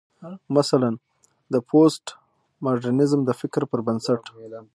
مثلا: د پوسټ ماډرنيزم د فکر پر بنسټ